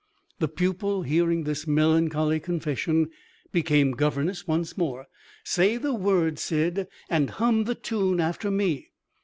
The pupil, hearing this melancholy confession, became governess once more. "Say the words, Syd; and hum the tune after me."